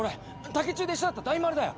竹中で一緒だった大丸だよ。